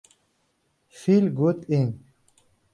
Feel Good Inc.